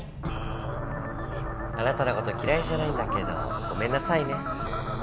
あなたのこときらいじゃないんだけどごめんなさいね。